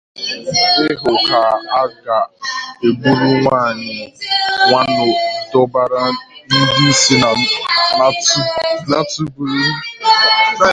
ị hụ ka a ga-eburu mmanya waịnụ dọbara ndịisi na teburu